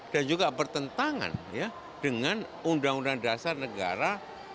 dan juga bertentangan dengan undang undang dasar negara seribu sembilan ratus empat puluh lima